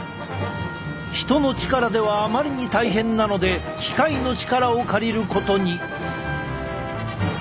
人の力ではあまりに大変なので機械の力を借りることに。